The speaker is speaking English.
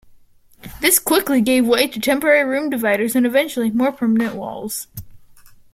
This quickly gave way to temporary room dividers and eventually, more permanent walls.